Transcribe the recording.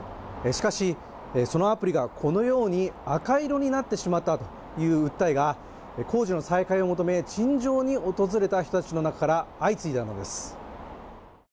しかし、そのアプリがこのように赤色になってしまったという訴えが工事の再開を求め陳情に訪れた人たちの中から相次いたのです。